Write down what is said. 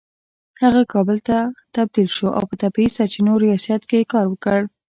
هغه کابل ته تبدیل شو او په طبیعي سرچینو ریاست کې يې کار وکړ